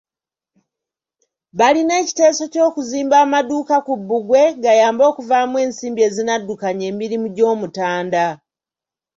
Balina ekiteeso ky'okuzimba amaduuka ku bbugwe, gayambe okuvaamu ensimbi ezinaddukanya emirimu gy'Omutanda .